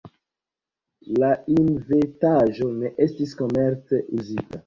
La inventaĵo ne estis komerce uzita.